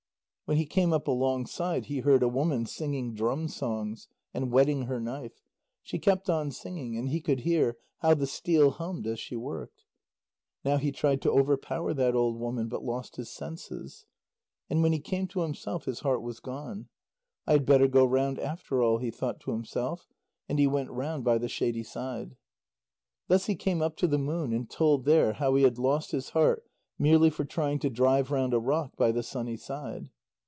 When he came up alongside, he heard a woman singing drum songs, and whetting her knife; she kept on singing, and he could hear how the steel hummed as she worked. Now he tried to overpower that old woman, but lost his senses. And when he came to himself, his heart was gone. "I had better go round after all," he thought to himself. And he went round by the shady side. Thus he came up to the moon, and told there how he had lost his heart merely for trying to drive round a rock by the sunny side.